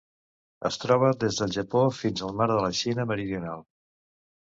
Es troba des del Japó fins al Mar de la Xina Meridional.